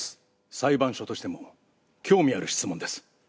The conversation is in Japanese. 裁判所としても興味ある質問です。